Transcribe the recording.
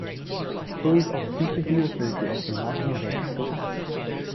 The stories are frequently referred to as the Martin Beck stories.